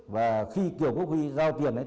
và khi kiều quốc huy giao đổi vấn đề mua bán